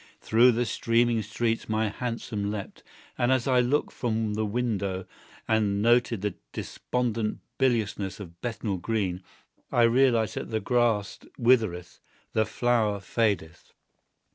Through the streaming streets my hansom leaped; and as I looked from the window, and noted the despondent biliousness of Bethnal Green, I realized that the grass withereth, the flower fadeth.